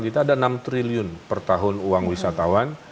kita ada enam triliun per tahun uang wisatawan